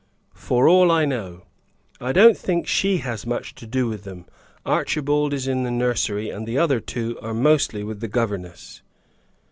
"For all I know. I don't think she has much to do with them. Archibald is in the nursery, and the other two are mostly with the governess."